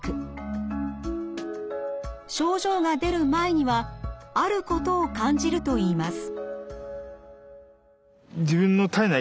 症状が出る前にはあることを感じるといいます。